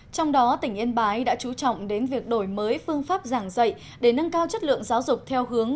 trong đó tỉnh yên bái đã chú trọng đến việc đổi mới phương pháp giảng dạy để nâng cao chất lượng giáo dục theo hướng